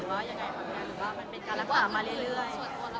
ไม่ไม่ไม่ครับก็ดีขึ้นเป็นถามมาเรื่อย